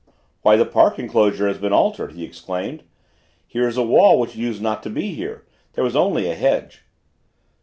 "Why, the park enclosure has been altered," he exclaimed. "Here is a wall which used not to be here: there was only a hedge."